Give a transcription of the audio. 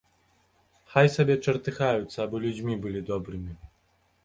Хай сабе чартыхаюцца, абы людзьмі былі добрымі.